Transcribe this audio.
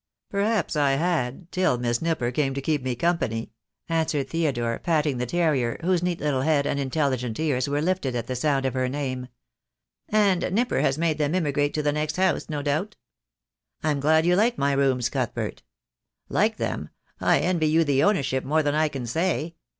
"Perhaps I had, till Miss Nipper came to keep me company," answered Theodore, patting the terrier, whose 46 THE DAY WILL COME. neat little head and intelligent ears were lifted at the sound of her name. "And Nipper has made them emigrate to the next house, no doubt?" "I'm glad you like my rooms, Cuthbert." "Like them! I envy you the ownership more than I can say.